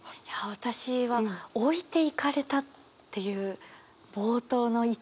私は「置いていかれた」っていう冒頭の一文。